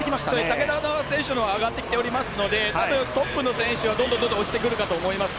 竹田選手上がってきてますのでトップの選手はどんどん落ちてくるかと思います。